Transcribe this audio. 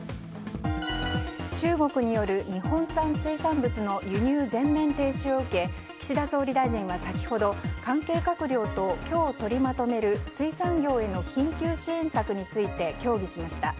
中国による日本産水産物の輸入全面停止を受け岸田総理大臣は先ほど関係閣僚と今日取りまとめる水産業への緊急支援策について協議しました。